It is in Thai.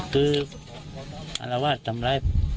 คือเราว่าทำร้าย